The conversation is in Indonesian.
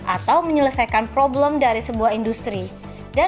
atau menyelesaikan problem di dalamnya